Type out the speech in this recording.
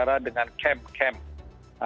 kita ingin menggunakan perusahaan yang berbeda